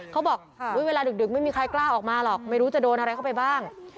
เขาบอกเวลาดึกไม่มีใครกล้าออกมาหรอกไม่รู้จะโดนอะไรเข้าไปบ้าง